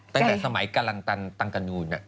ตั้งแต่สมัยกรรมะรันด์ตางกระดูก